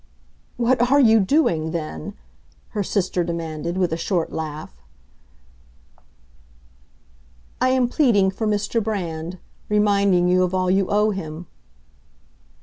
"What are you doing, then?" her sister demanded, with a short laugh. "I am pleading for Mr. Brand—reminding you of all you owe him."